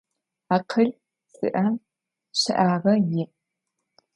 Акъыл зиӏэм щэӏагъэ иӏ.